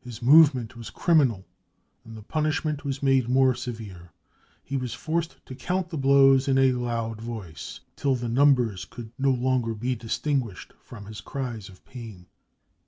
His movement was " criminal, 55 and the punishment was made more severe ; he was forced to count the blows in a loud voice, till the numbers could no l onge r be distinguished from his cries of p2in.